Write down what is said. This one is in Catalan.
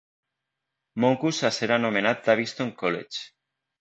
Moncus a ser anomenat Daviston College.